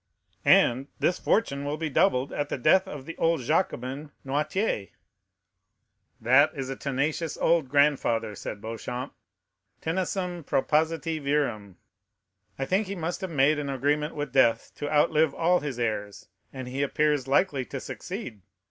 "And this fortune will be doubled at the death of the old Jacobin, Noirtier." "That is a tenacious old grandfather," said Beauchamp. "Tenacem propositi virum. I think he must have made an agreement with death to outlive all his heirs, and he appears likely to succeed.